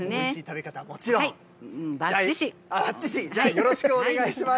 よろしくお願いします。